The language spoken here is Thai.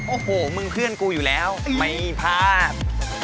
โอ้โหมึงเพื่อนกูอยู่แล้วไม่พลาด